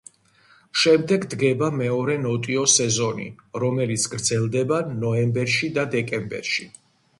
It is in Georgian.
შემდეგ დგება მეორე ნოტიო სეზონი, რომელიც გრძელდება ნოემბერში და დეკემბერში.